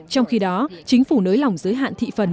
trong khi đó chính phủ nới lỏng giới hạn thị phần